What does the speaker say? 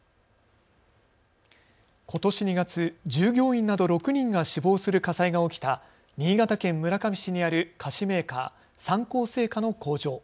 ことし２月、従業員など６人が死亡する火災が起きた新潟県村上市にある菓子メーカー、三幸製菓の工場。